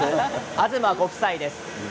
東ご夫妻です。